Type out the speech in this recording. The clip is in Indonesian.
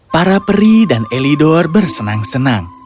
para peri dan elidor bersenang senang